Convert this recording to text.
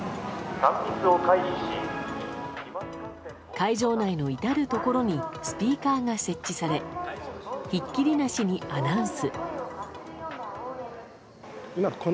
会場内の至るところにスピーカーが設置されひっきりなしにアナウンス。